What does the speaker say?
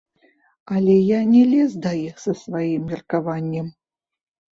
Але я не лез да іх са сваім меркаваннем.